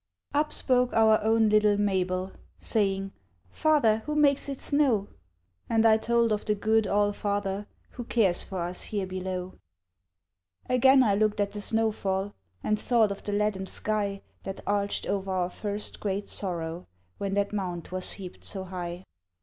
Up spoke our own little Mabel, Saying, "Father, who makes it snow?" And I told of the good All father Who cares for us here below. Again I looked at the snow fall, And thought of the leaden sky That arched o'er our first great sorrow, When that mound was heaped so high.